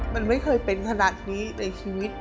มันไม่เคยเป็นขนาดนี้ในชีวิต